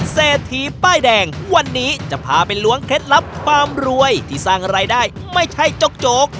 เศรษฐีป้ายแดงวันนี้จะพาไปล้วงเคล็ดลับความรวยที่สร้างรายได้ไม่ใช่โจ๊ก